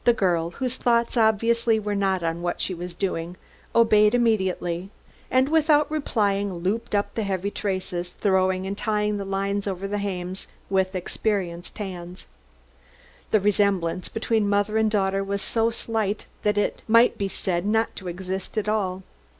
The girl, whose thoughts obviously were not on what she was doing, obeyed immediately, and without replying looped up the heavy traces, throwing and tying the lines over the hames with experienced hands. The resemblance between mother and daughter was so slight that it might be said not to exist at all.